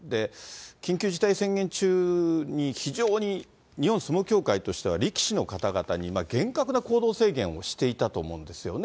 緊急事態宣言中に、非常に日本相撲協会としては力士の方々に厳格な行動制限をしていたと思うんですよね。